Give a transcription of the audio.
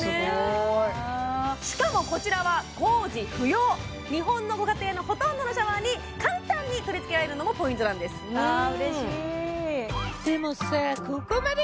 すごーいしかもこちらは工事不要日本のご家庭のほとんどのシャワーに簡単に取り付けられるのもポイントなんですわあうれしい！